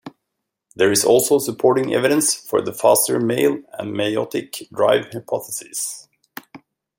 There is also supporting evidence for the faster male and meiotic drive hypotheses.